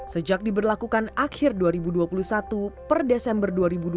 sejak diberlakukan akhir dua ribu dua puluh satu per desember dua ribu dua puluh